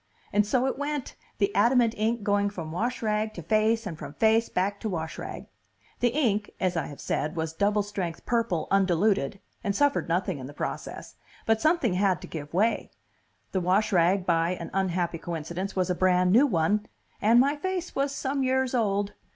And so it went, the adament ink going from washrag to face and from face back to washrag. "The ink, as I have said, was double strength purple undiluted, and suffered nothing in the process. But something had to give way. The washrag, by an unhappy coincidence, was a brand new one, and my face was some years old.